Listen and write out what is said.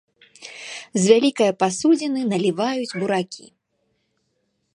З вялікае пасудзіны наліваюць буракі.